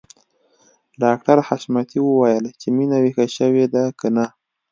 ډاکټر حشمتي وويل چې مينه ويښه شوې ده که نه